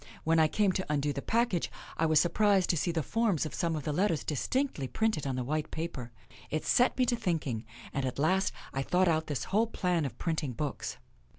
When I came to undo the package I was surprised to see the forms of some of the letters distinctly printed on the white paper. It set me to thinking, and at last I thought out this whole plan of printing books."